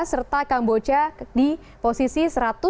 serta kamboja di posisi satu ratus dua puluh sembilan